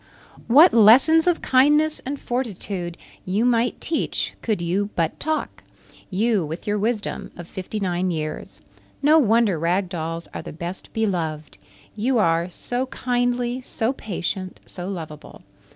What lessons of kindness and fortitude you might teach could you but talk; you with your wisdom of fifty nine years. No wonder Rag Dolls are the best beloved! You are so kindly, so patient, so lovable.